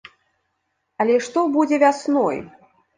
Але што будзе вясной?